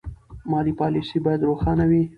مالي پالیسي باید روښانه وي.